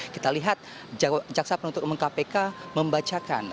kita lihat jaksa penuntut umum kpk membacakan